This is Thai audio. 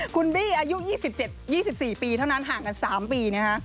คุณบี้อายุ๒๗๒๔ปีเท่านั้นห่างกัน๓ปีนะฮะ